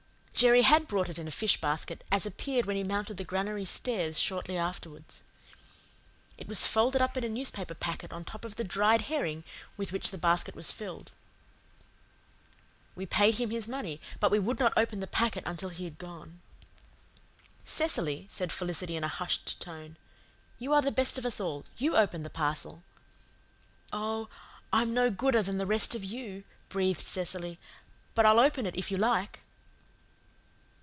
Jerry HAD brought it in a fish basket, as appeared when he mounted the granary stairs shortly afterwards. It was folded up in a newspaper packet on top of the dried herring with which the basket was filled. We paid him his money, but we would not open the packet until he had gone. "Cecily," said Felicity in a hushed tone. "You are the best of us all. YOU open the parcel." "Oh, I'm no gooder than the rest of you," breathed Cecily, "but I'll open it if you like."